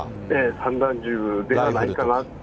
散弾銃じゃないかなと。